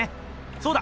そうだ！